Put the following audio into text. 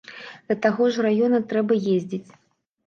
Да таго ж з раёна трэба ездзіць.